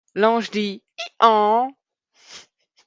L’ange dit : hi-han !